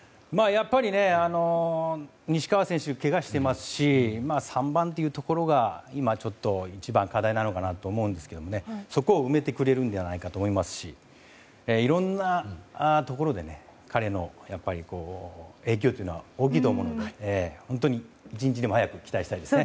やっぱり、西川選手がけがしていますし３番というところが今一番課題なのかなと思うんですがそこを埋めてくれるんじゃないかと思いますしいろんなところで彼の影響というのは大きいと思うので１日でも早く期待したいです。